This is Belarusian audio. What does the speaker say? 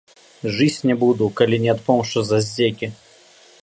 Жыць не буду, калі не адпомшчу за здзекі!